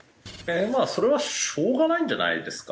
まあそれはしょうがないんじゃないですか？